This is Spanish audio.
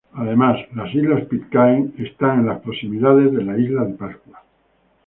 Además, las Islas Pitcairn es en las proximidades de la isla de Pascua.